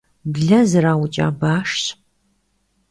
Блэ зэраукӀа башщ.